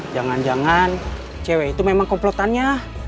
jangan jangan cewek itu memang komplotannya